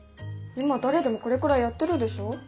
今誰でもこれくらいやってるでしょ？